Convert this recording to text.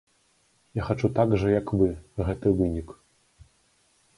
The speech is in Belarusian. Я хачу так жа, як вы, гэты вынік.